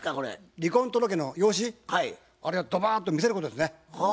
離婚届の用紙あれをドバーッと見せることですね。